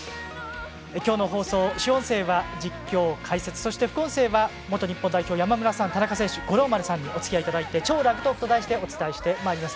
今日の放送、主音声は実況、解説そして副音声は元日本代表、山村さん、田中選手五郎丸さんにおつきあいいただいて「超ラグトーク」と題してお伝えしてまいります。